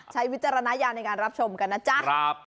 วิจารณญาณในการรับชมกันนะจ๊ะ